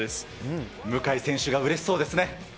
向選手がうれしそうですね。